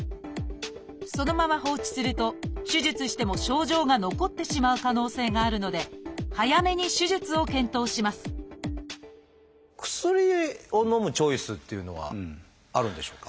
そのまま放置すると手術しても症状が残ってしまう可能性があるので早めに手術を検討します薬をのむチョイスっていうのはあるんでしょうか？